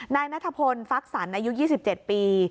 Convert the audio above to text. นายนัทพลฟักสรรอายุ๒๗ปี